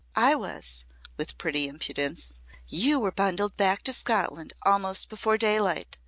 "I was," with pretty impudence. "You were bundled back to Scotland almost before daylight.